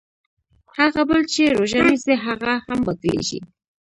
هغه بل چې روژه نیسي هغه هم باطلېږي.